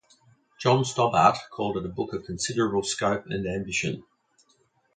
Jon Stobart called it "a book of considerable scope and ambition".